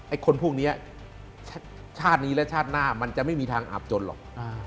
คนพวกนี้ชาตินี้และชาติหน้ามันจะไม่มีทางอาบจนหรอก